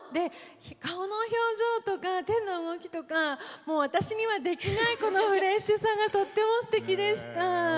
顔の表情とか手の動きとか私にはできないこのフレッシュさがとってもすてきでした。